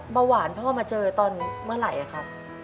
เบาหวานพ่อมาเจอตอนเมื่อไหร่ครับ